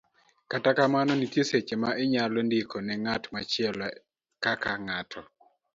Kata kamano, nitie seche ma inyalo ndiko ne ng'at machielo, kaka ng'at .